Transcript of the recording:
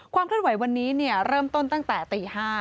เคลื่อนไหววันนี้เริ่มต้นตั้งแต่ตี๕